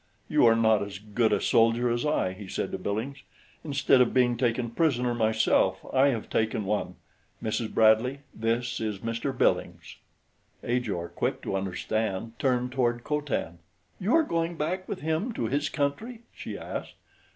"You are not as good a soldier as I," he said to Billings. "Instead of being taken prisoner myself I have taken one Mrs. Bradley, this is Mr. Billings." Ajor, quick to understand, turned toward Co Tan. "You are going back with him to his country?" she asked.